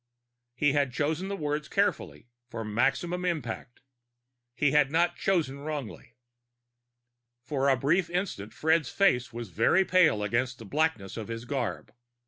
He had chosen the words carefully, for maximum impact. He had not chosen wrongly. For a brief instant Fred's face was very pale against the blackness of his garb.